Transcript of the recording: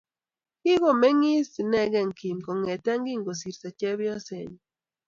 Kigomengiis inegei Kim kongete kosirto chepyosenyi